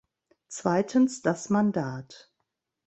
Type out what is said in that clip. Zweitens das Mandat.